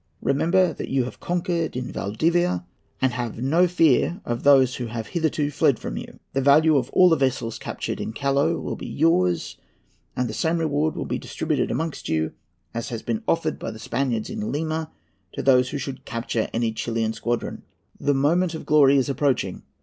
Remember that you have conquered in Valdivia, and have no fear of those who have hitherto fled from you. The value of all the vessels captured in Callao will be yours, and the same reward will be distributed amongst you as has been offered by the Spaniards in Lima to those who should capture any of the Chilian squadron. The moment of glory is approaching.